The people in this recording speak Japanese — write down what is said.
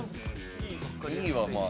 ２位はまあ。